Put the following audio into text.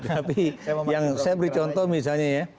tapi yang saya beri contoh misalnya ya